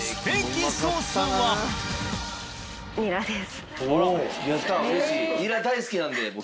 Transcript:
ニラ大好きなんで僕。